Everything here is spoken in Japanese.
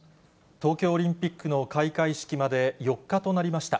東京オリンピックの開会式まで４日となりました。